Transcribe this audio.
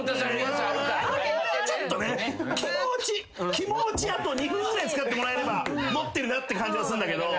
気持ちあと２分ぐらい使ってもらえれば持ってるなって感じはするんだけど。